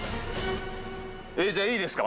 えっじゃあいいですか？